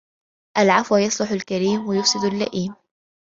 العفو يصلح الكريم ويفسد اللئيم